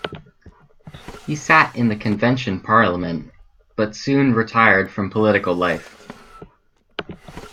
He sat in the Convention Parliament, but soon retired from political life.